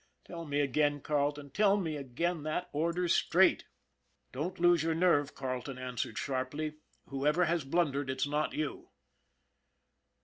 Tell me again, Carleton, tell me again, that order's straight." " Don't lose your nerve/' Carleton answered sharply. " Whoever has blundered, it's not you."